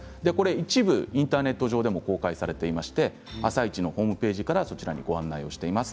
一部インターネット上でも公開されていまして「あさイチ」のホームページからそちらにご案内をしています。